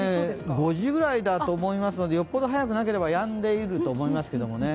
５時ぐらいだと思いますのでよっぽど早くなければやんでいると思います。